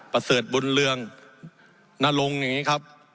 ประเสริฐบุญเรืองนรงค์อย่างนี้ครับ